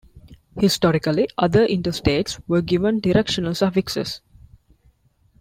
Historically, other interstates were given directional suffixes.